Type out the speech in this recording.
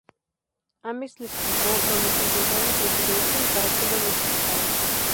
Ames le explicó donde se encontraba el presidente y para que lo necesitaban.